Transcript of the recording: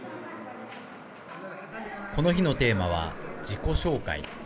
この日のテーマは自己紹介。